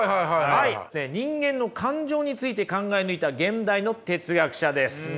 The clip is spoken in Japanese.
人間の感情について考え抜いた現代の哲学者です。